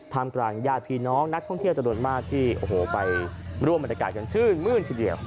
พร้อมกลางญาติพี่น้องนักท่องเที่ยวจรวดมากที่ไปร่วมบรรยากาศจนชื่นมื้นทีเดียว